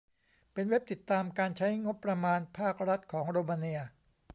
เป็นเว็บติดตามการใช้งบประมาณภาครัฐของโรมาเนีย